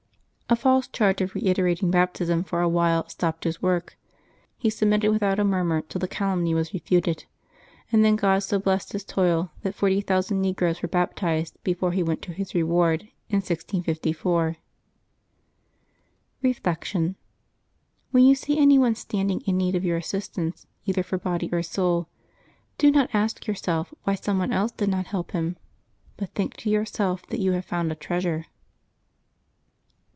A false charge of reiterating Baptism for a while stopped his work. He submitted without a murmur till the calumny was refuted, and then God so blessed his toil that 40,000 negroes were baptized before he went to his reward, in 1654. Reflection. — When you see any one standing in need of your assistance, either for body or soul, do not ask yourself why some one else did not help him, but think to yourself that you have found a treasure.